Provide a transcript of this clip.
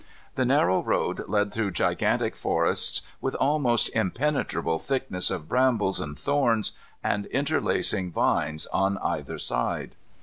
The narrow road led through gigantic forests with almost impenetrable thickets of brambles and thorns and interlacing vines on either side.